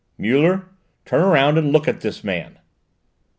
"Muller, turn round and look at this man!"